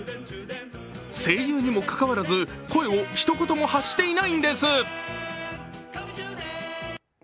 声優にもかかわらず、声をひと言も発していないんです。